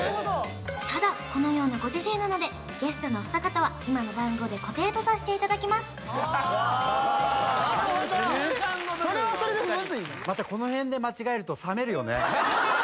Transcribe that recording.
ただこのようなご時世なのでゲストのお二方は今の番号で固定とさせていただきますなるほどまたこの辺で間違えると冷めるよね